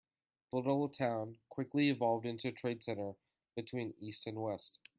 The little town quickly evolved into a trade center between east and west.